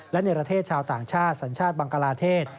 และในประเทศชาวต่างชาติสัญชาติบังกลาเทศ